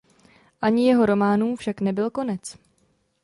Ani jeho románům však nebyl konec.